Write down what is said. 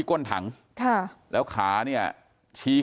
กลุ่มตัวเชียงใหม่